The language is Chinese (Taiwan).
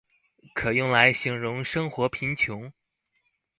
可用來形容生活貧窮？